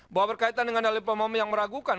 bahwa berkaitan dengan dalil pemohon yang meragukan